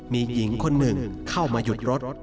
มีหญิงคนหนึ่งเข้ามาหยุดรถ